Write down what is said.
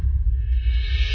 kalau suaminya sudah meninggal